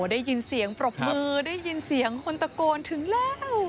ได้ยินเสียงปรบมือได้ยินเสียงคนตะโกนถึงแล้ว